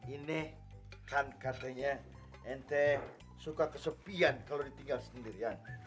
ini kan katanya ente suka kesepian kalo ditinggal sendiri